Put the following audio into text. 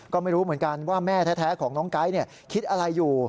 ก็ไม่รู้เหมือนกันว่าแม่แท้ของน้องไก๊คิดอะไรอยู่